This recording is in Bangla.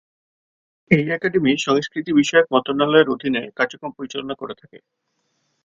এই একাডেমি সংস্কৃতি বিষয়ক মন্ত্রণালয়ের অধীনে কার্যক্রম পরিচালনা করে থাকে।